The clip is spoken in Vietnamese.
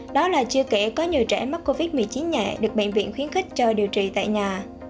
đó là chưa kể có nhiều trẻ mắc covid một mươi chín nhẹ được bệnh viện khuyến khích cho điều trị tại nhà